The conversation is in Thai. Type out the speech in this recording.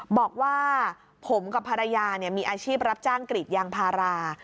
บอกว่าผมกับภรรยาเนี่ยมีอาชีพรับจ้างกฤทธิ์ยางภารา